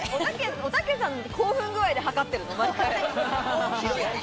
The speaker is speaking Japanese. おたけさんの興奮声で測ってるの。